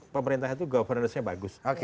pemerintah itu governance nya bagus